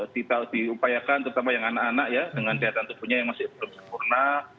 diupayakan terutama yang anak anak ya dengan daya tahan tubuhnya yang masih belum sempurna